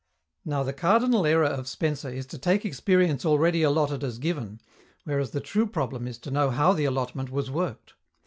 Now, the cardinal error of Spencer is to take experience already allotted as given, whereas the true problem is to know how the allotment was worked.